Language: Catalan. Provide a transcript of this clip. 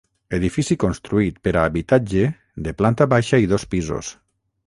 Edifici construït per a habitatge, de planta baixa i dos pisos.